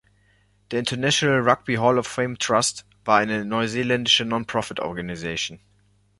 Der "International Rugby Hall of Fame Trust" war eine neuseeländische Non-Profit-Organisation.